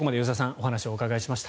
お話をお伺いしました。